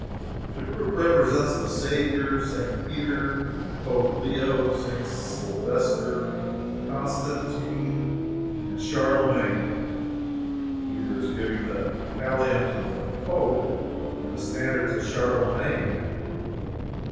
The group represents the Saviour, St. Peter, Pope Leo, St. Silvester, Constantine and Charlemagne. Peter is giving the pallium to the Pope, and a standard to Charlemagne.